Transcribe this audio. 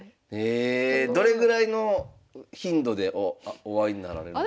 どれぐらいの頻度でお会いになられるんですか？